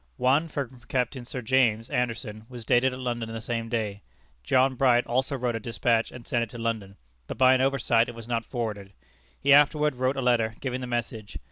One, from Captain Sir James Anderson, was dated at London the same day. John Bright also wrote a despatch and sent it to London, but by an oversight it was not forwarded. He afterward wrote a letter, giving the message.